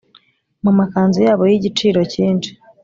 mu makanzu yabo y’igiciro cyinshi